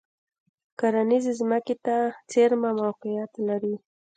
کرنیزې ځمکې ته څېرمه موقعیت لري.